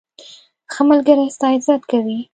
ښه ملګری ستا عزت کوي.